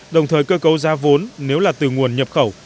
đồng thời cơ cấu giá vốn nếu là từ nguồn nhập khẩu